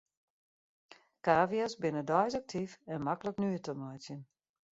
Kavia's binne deis aktyf en maklik nuet te meitsjen.